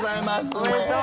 おめでとう！